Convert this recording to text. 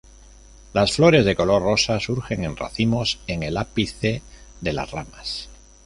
Las flores, de color rosa, surgen en racimos en el ápice de las ramas.